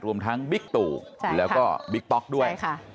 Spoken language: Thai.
รวมทั้งบิ๊กตู่แล้วก็บิ๊กป๊อกด้วย